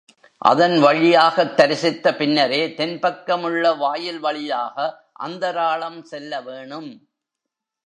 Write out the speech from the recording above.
அதன் வழியாகத் தரிசித்த பின்னரே தென்பக்கம் உள்ள வாயில் வழியாக அந்தராளம் செல்லவேணும்.